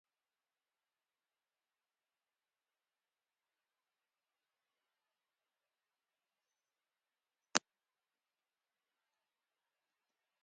Веројатно не ја ни забележала, бидејќи е преокупирана со доживувањето на неопубертетот.